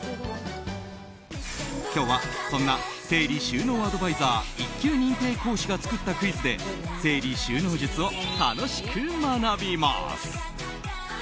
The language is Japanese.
今日はそんな整理収納アドバイザー１級認定講師が作ったクイズで整理収納術を楽しく学びます。